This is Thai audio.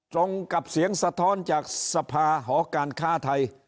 ตรงกับเสียงสะท้อนจากสภาหอการค้าไทย